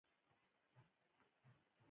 په پیسو سره کتاب اخيستلی شې خو پوهه نه شې.